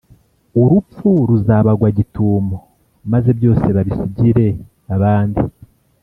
urupfu ruzabagwa gitumo, maze byose babisigire abandi